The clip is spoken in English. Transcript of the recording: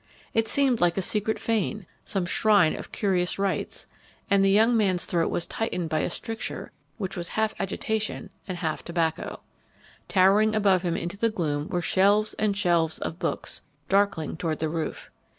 It seemed like a secret fane, some shrine of curious rites, and the young man's throat was tightened by a stricture which was half agitation and half tobacco. Towering above him into the gloom were shelves and shelves of books, darkling toward the roof.